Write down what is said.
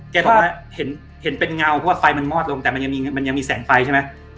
บอกว่าเห็นเป็นเงาเพราะว่าไฟมันมอดลงแต่มันยังมีมันยังมีแสงไฟใช่ไหม